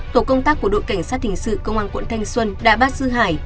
tổ công tác của đội cảnh sát hình sự công an quận thanh xuân đã bắt dư hải